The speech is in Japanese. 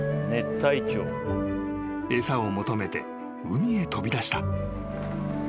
［餌を求めて海へ飛び出した］